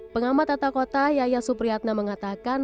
pengamat tata kota yayasupriadna mengatakan